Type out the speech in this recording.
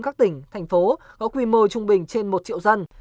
các tỉnh thành phố có quy mô trung bình trên một triệu dân